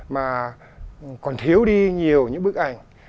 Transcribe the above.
mà còn thiếu đi nhiều những bức ảnh